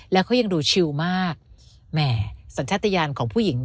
แล้วเขายังดูชิวมากแหม่สัญชาติยานของผู้หญิง